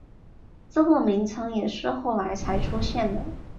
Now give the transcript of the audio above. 这个名称也是后来才出现的。